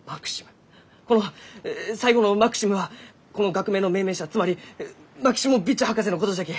この最後の「マクシム」はこの学名の命名者つまりマキシモヴィッチ博士のことじゃき！